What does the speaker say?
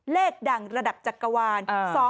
เลขดังระดับจักรวาล๒๕๖